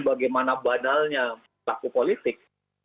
bagaimana badalnya laku politik